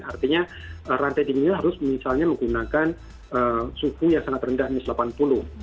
artinya rantai dinginnya harus misalnya menggunakan suhu yang sangat rendah minus delapan puluh